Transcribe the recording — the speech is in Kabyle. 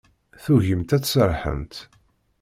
Tugimt ad tserrḥemt.